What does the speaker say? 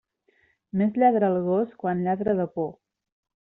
Més lladra el gos quan lladra de por.